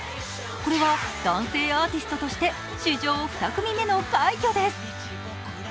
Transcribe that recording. これは男性アーティストとして史上２組目の快挙です。